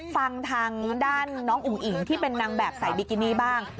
ฟังทางด้านน้องอุ๋งอิ๋งที่เป็นนางแบบสายบิกินี่บ้าง